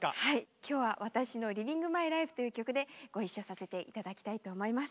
今日は私の「ＬｉｖｉｎｇＭｙＬｉｆｅ」という曲でご一緒させて頂きたいと思います。